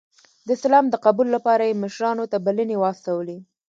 د اسلام د قبول لپاره یې مشرانو ته بلنې واستولې.